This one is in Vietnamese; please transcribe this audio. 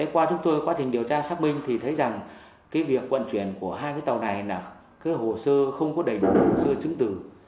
qua chúng tôi quá trình điều tra xác minh thì thấy rằng cái việc vận chuyển của hai cái tàu này là cái hồ sơ không có đầy đủ hồ sơ chứng từ